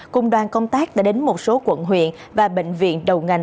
cùng đoàn công tác đã đến một số quận huyện và bệnh viện đầu ngành